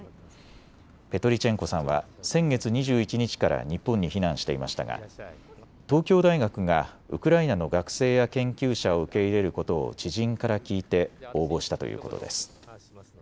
ペトリチェンコさんは先月２１日から日本に避難していましたが東京大学がウクライナの学生や研究者を受け入れることを知人から聞いて応募したということです。